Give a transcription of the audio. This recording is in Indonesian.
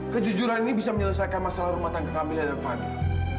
kejujuran ini bisa menyelesaikan masalah rumah tangga kamil dan fadi